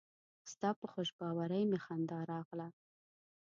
ستا په خوشباوري مې خندا راغله.